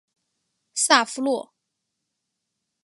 萨夫洛。